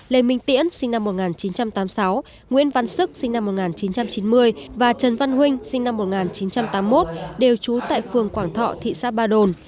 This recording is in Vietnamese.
lê minh tiễn sinh năm một nghìn chín trăm tám mươi sáu nguyễn văn sức sinh năm một nghìn chín trăm chín mươi và trần văn huynh sinh năm một nghìn chín trăm tám mươi một đều trú tại phường quảng thọ thị xã ba đồn